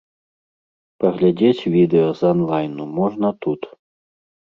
Паглядзець відэа з анлайну можна тут.